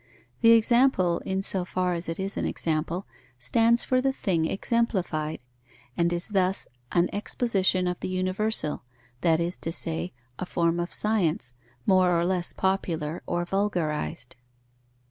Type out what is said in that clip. The example, in so far as it is an example, stands for the thing exemplified, and is thus an exposition of the universal, that is to say, a form of science, more or less popular or vulgarized.